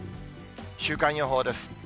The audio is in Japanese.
週間予報です。